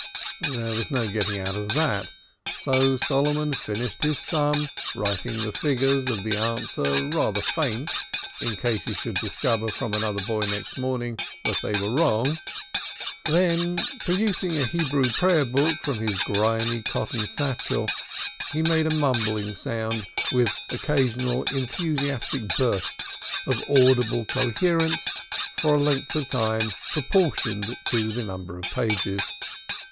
There was no getting out of that; so Solomon finished his sum, writing the figures of the answer rather faint, in case he should discover from another boy next morning that they were wrong; then producing a Hebrew prayer book from his inky cotton satchel, he made a mumbling sound, with occasional enthusiastic bursts of audible coherence, for a length of time proportioned to the number of pages.